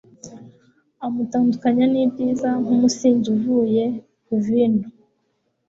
Amutandukanya nibyiza nkumusinzi uvuye vino